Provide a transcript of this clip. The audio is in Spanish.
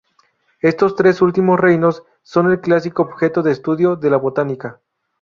Estos tres últimos Reinos son el clásico objeto de estudio de la botánica.